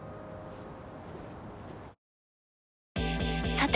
さて！